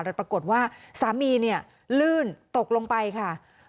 แต่ปรากฏว่าสามีเนี่ยลื่นตกลงไปค่ะ